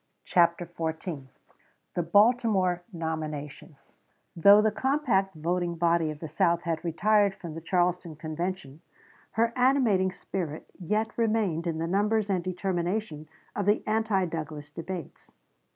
CHAPTER XIV THE BALTIMORE NOMINATIONS Though the compact voting body of the South had retired from the Charleston Convention, her animating spirit yet remained in the numbers and determination of the anti Douglas delegates.